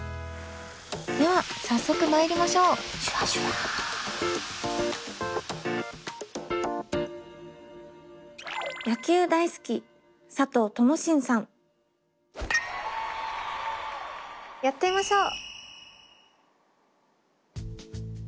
では早速まいりましょうやってみましょう。